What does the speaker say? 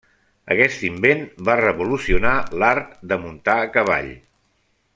Aquest invent va revolucionar l'art de muntar a cavall.